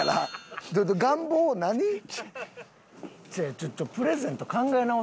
ちょっとプレゼント考え直せって。